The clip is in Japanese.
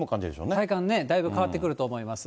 体感、だいぶ変わってくると思います。